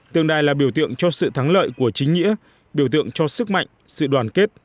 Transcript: tượng đài là biểu tượng cho sự thắng lợi của chính nghĩa biểu tượng cho sức mạnh sự đoàn kết